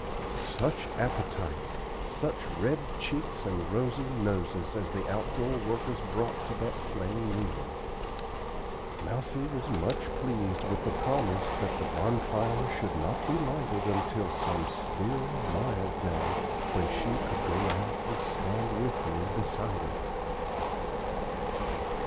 Such appetites, such red cheeks and rosy noses as the outdoor workers brought to that plain meal! Mousie was much pleased with the promise that the bonfire should not be lighted until some still, mild day when she could go out and stand with me beside it.